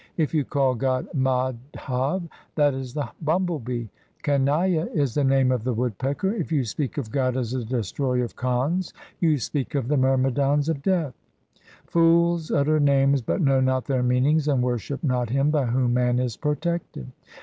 If you call God Madhav, that is the bumble bee ; Kaniya is the name of the woodpecker ; if you speak of God as the Destroyer of Kans, you speak of the myrmidons of Death. Fools utter names, but know not their meanings, and worship not Him by whom man is protected.